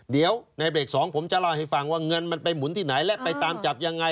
เดี๋ยวในเบรก๒ผมจะเล่าให้ฟังว่าเงินมันไปหมุนที่ไหนและไปตามจับยังไง